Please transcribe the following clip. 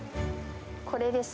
これです。